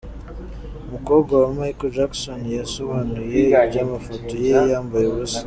Umukobwa wa Micheal Jackson yasobanuye iby’amafoto ye yambaye ubusa.